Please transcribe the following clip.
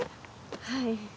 はい。